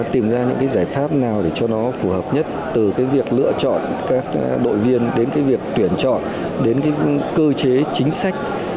từ việc lựa chọn các đội viên đến việc tuyển chọn đến cơ chế chính sách